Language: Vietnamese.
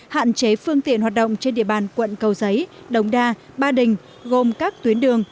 hạn chế phương tiện hoạt động trên địa bàn quận cầu giấy